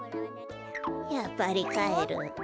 やっぱりかえる。